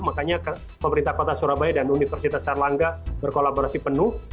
makanya pemerintah kota surabaya dan universitas erlangga berkolaborasi penuh